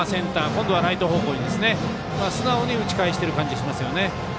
今度はライト方向に素直に打ち返している感じがしますよね。